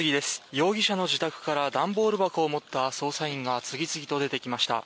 容疑者の自宅から段ボール箱を持った捜査員が次々と出てきました。